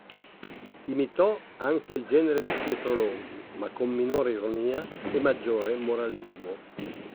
Imitò anche il genere di Pietro Longhi ma con minore ironia e maggiore moralismo.